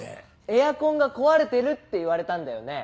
エアコンが壊れてるって言われたんだよね？